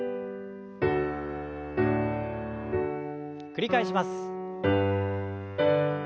繰り返します。